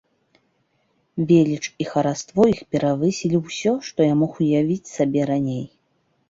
Веліч і хараство іх перавысілі ўсё, што я мог уявіць сабе раней.